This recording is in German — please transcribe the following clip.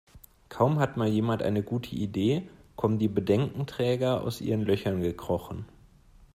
Kaum hat mal jemand eine gute Idee, kommen die Bedenkenträger aus ihren Löchern gekrochen.